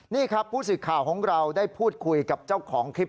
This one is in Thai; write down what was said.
นี่ครับผู้สื่อข่าวของเราได้พูดคุยกับเจ้าของคลิป